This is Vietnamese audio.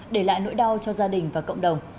để lại nỗi đau cho gia đình và cộng đồng